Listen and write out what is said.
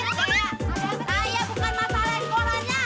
saya bukan masalah sekolahnya